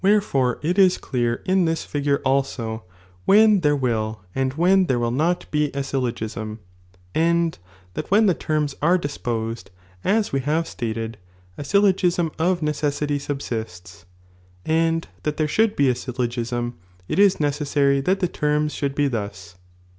it is clear in this figure also, when there will and when there will not be a syllogism, and that when the terms are disposed as we have stated, a syllogism of necessity subsists, and that there should be a syllogism, it is necessary that the terms should be thus.